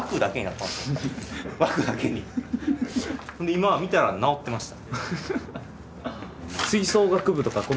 今見たら直ってました。